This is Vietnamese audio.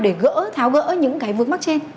để gỡ tháo gỡ những cái vước mắt trên